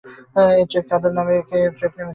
এই trek "Chadar trek" নামে বিখ্যাত।